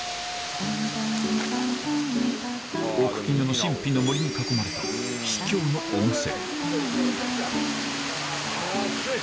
奥鬼怒の神秘の森に囲まれた秘境の温泉熱い！